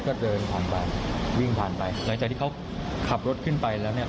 ก็เดินผ่านไปวิ่งผ่านไปหลังจากที่เขาขับรถขึ้นไปแล้วเนี่ย